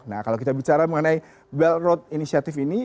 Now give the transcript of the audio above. nah kalau kita bicara mengenai belt road initiative ini